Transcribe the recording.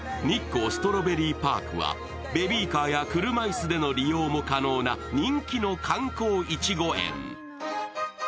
日光ストロベリーパークは、ベビーカーや車椅子での利用も可能な人気の観光いちご園。